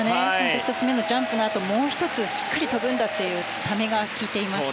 １つ目のジャンプのあともう１つ、しっかり跳ぶんだとためが利いていました。